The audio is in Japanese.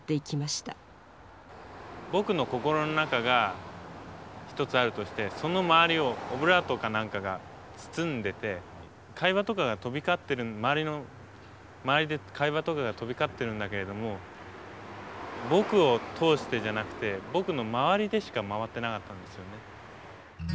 僕の心の中が一つあるとしてその周りをオブラートか何かが包んでて会話とかが飛び交って周りで会話とかが飛び交ってるんだけれども僕を通してじゃなくて僕の周りでしか回ってなかったんですよね。